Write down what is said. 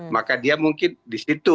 maka dia mungkin di situ